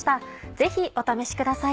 ぜひお試しください。